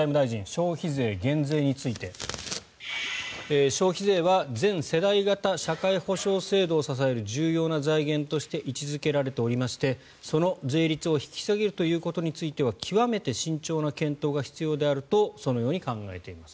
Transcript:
消費税減税について消費税は全世代型社会保障制度を支える重要な財源として位置付けられておりましてその税率を引き下げるということについては極めて慎重な検討が必要であるとそのように考えています